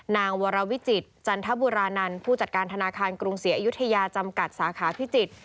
นางวรวิจิตรจันทบุรีรานันต์ผู้จัดการธนาคารกรุงศรีอยุธยาจำกัดสาขาพิจิตร